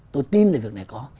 tôi tin là việc này có